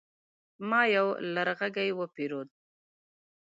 ما يو لرغږی وپيرود